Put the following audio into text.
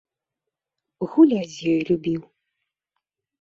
Гуляць з ёй любіў.